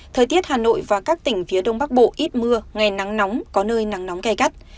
thời tiết hà nội và các tỉnh phía đông bắc bộ ít mưa ngày nắng nóng có nơi nắng nóng gai gắt